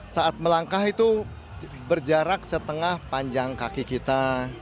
saat melangkah itu berjarak setengah panjang kaki kita